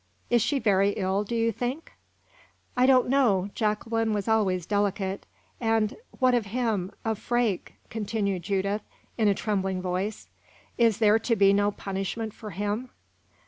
Is she very ill, do you think?" "I don't know Jacqueline was always delicate. And what of him of Freke?" continued Judith, in a trembling voice. "Is there to be no punishment for him?"